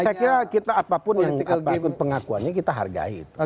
saya kira kita apapun pengakuannya kita hargai